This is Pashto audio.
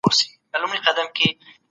تاريخ ظالمان نه هېروي.